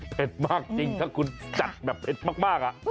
เผ็ดมากจริงถ้าคุณจัดแบบเผ็ดมากอ่ะ